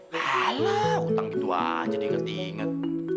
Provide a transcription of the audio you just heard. malah ngutang gitu aja diket inget